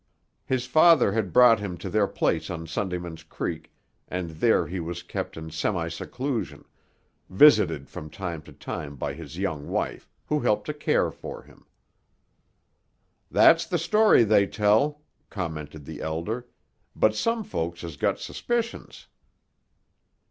His father had brought him to their place on Sundayman's Creek, and there he was kept in semi seclusion, visited from time to time by his young wife, who helped to care for him. "That's the story they tell," commented the Elder; "but some folks has got suspicions."